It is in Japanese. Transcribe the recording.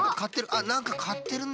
あなんかかってるね。